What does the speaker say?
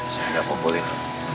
saya gak mau pulih